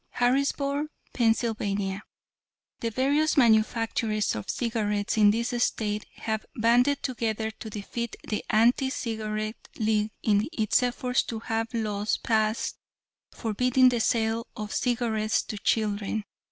"Harrisburg, Pa.: The various manufacturers of cigarettes in this state have banded together to defeat the Anti Cigarette League in its efforts to have laws passed forbidding the sale of cigarettes to children.